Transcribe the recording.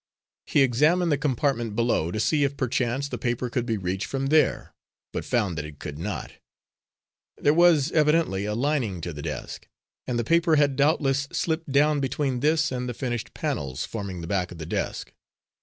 He examined the compartment below to see if perchance the paper could be reached from there, but found that it could not. There was evidently a lining to the desk, and the paper had doubtless slipped down between this and the finished panels forming the back of the desk.